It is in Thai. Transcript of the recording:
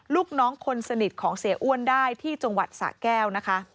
ลูกน้องคนสนิทของเสียอ้วนได้ที่จังหวัดสะแก้วนะคะ